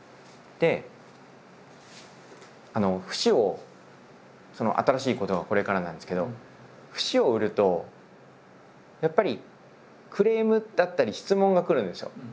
で節を新しいことはこれからなんですけど節を売るとやっぱりクレームだったり質問が来るんですよ。